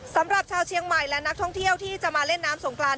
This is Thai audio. สำหรับชาวเชียงใหม่และนักท่องเที่ยวที่จะมาเล่นน้ำสงกราน